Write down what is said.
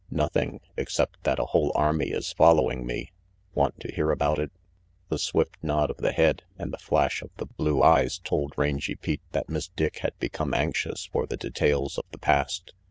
"Nothing, except that a whole army is following me. Want to hear about it?" The swift nod of the head and the flash of the blue RANGY PETE 305 eyes told Rangy Pete that Miss Dick had become anxious for the details of the past.